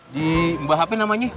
di mbah hp namanya